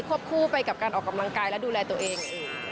วบคู่ไปกับการออกกำลังกายและดูแลตัวเอง